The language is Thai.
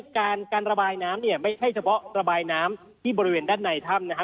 การระบายน้ำเนี่ยไม่ใช่เฉพาะระบายน้ำที่บริเวณด้านในถ้ำนะฮะ